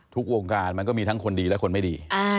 ทุกวงการมันก็มีทั้งคนดีและคนไม่ดี